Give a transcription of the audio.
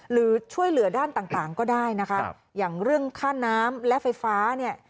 หรือช่วยเหลือด้านต่างต่างก็ได้นะคะอย่างเรื่องค่าน้ำและไฟฟ้าเนี่ย